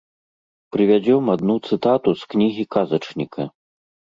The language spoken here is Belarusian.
Прывядзём адну цытату з кнігі казачніка.